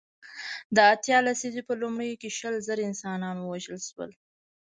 د اتیا لسیزې په لومړیو کې شل زره انسانان ووژل شول.